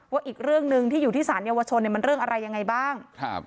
อีกเรื่องหนึ่งที่อยู่ที่สารเยาวชนเนี่ยมันเรื่องอะไรยังไงบ้าง